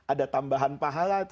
ada tambahan pahala